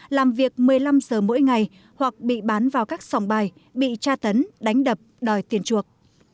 làm việc một mươi năm giờ mỗi ngày hoặc bị bán vào các sòng bài bị tra tấn đánh đập đòi tiền chuộc